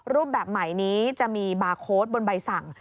รูปแบบใหม่นี้จะมีบาร์โค้ดบนใบสั่ง